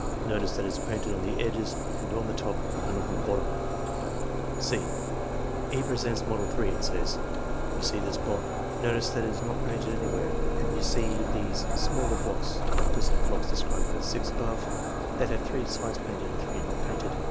Notice that it is painted on the edges and on the top but not on the bottom J ^ (c) E. presents model 3 and says: "Fom see this block; notice that it is not painted anywhere; and you see these smaller blocks [present blocks described under (6) above] that have three sides painted and three not painted.